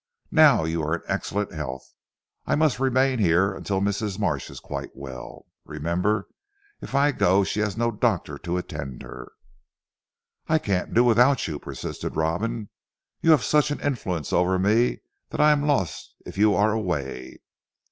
Now you are in excellent health. I must remain here until Mrs. Marsh is quite well. Remember if I go she has no doctor to attend her." "I can't do without you," persisted Robin. "You have such an influence over me that I am lost if you are away."